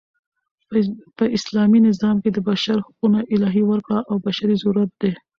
په اسلامي نظام کښي د بشر حقونه الهي ورکړه او بشري ضرورت دئ.